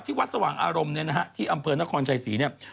วัดสว่างอารมณ์เนี่ยนะฮะที่อำเภอนครชัยศรีเนี่ย